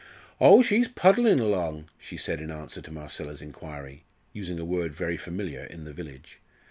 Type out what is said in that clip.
"Oh, she's puddlin' along," she said in answer to Marcella's inquiry, using a word very familiar in the village.